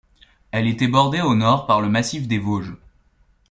Elle était bordée au nord par le Massif des Vosges.